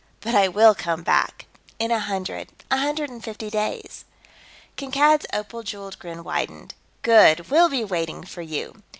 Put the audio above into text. But I will come back in a hundred, a hundred and fifty days." Kankad's opal jeweled grin widened. "Good! We'll be waiting for you."